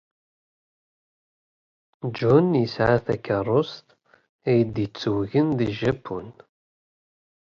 John yesɛa takeṛṛust ay d-yettewgen deg Japun.